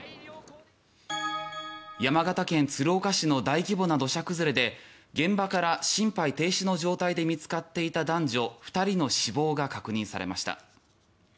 山形県鶴岡市の大規模な土砂崩れで現場から心肺停止の状態で見つかっていた男女２人の死亡が確認されました。